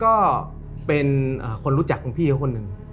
ก็เป็นคนรู้จักของพี่เขาคนหนึ่ง